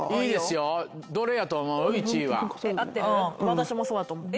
私もそうだと思う。